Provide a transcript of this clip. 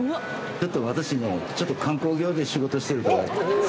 ちょっと私ね、ちょっと観光業で仕事してるから。